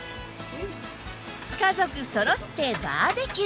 家族そろってバーベキュー